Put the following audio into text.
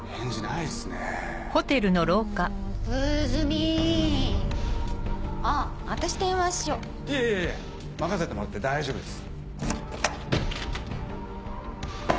いえいえ任せてもらって大丈夫です。